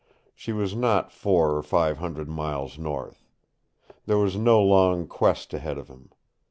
She was not four or five hundred miles north. There was no long quest ahead of him.